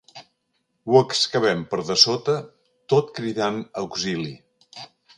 Ho excavem per dessota tot cridant auxili.